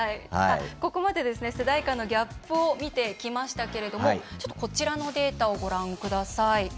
ここまで世代間のギャップを見てきましたけれどもこちらのデータをご覧ください。